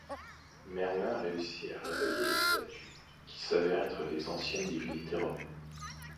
Merlin réussit à réveiller les statues, qui s'avèrent être les anciennes divinités romaines.